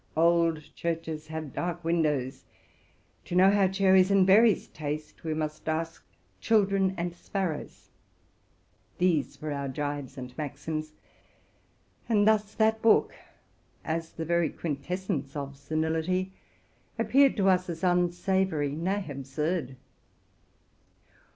'* Old churches have dark windows : to know how cherries and berries taste, we must ask children and sparrows.'' These were our gibes and maxims; and thus that book, as the very quintessence of senility, appeared to us as unsavory, nay, absurd.